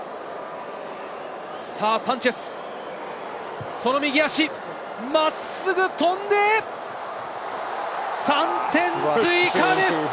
サンチェス、その右足、真っすぐ飛んで３点追加です！